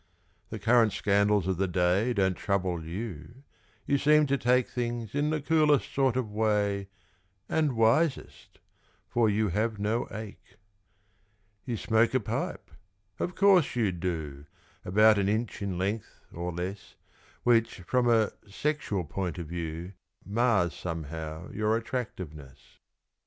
The current scandals of the day Don't trouble you you seem to take Things in the coolest sort of way And wisest for you have no ache. You smoke a pipe of course, you do! About an inch in length or less, Which, from a sexual point of view, Mars somehow your attractiveness.